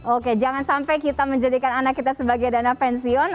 oke jangan sampai kita menjadikan anak kita sebagai dana pensiun